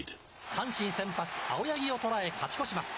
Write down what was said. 阪神先発、青柳を捉え勝ち越します。